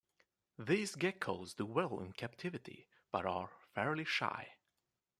These geckos do well in captivity but are fairly shy.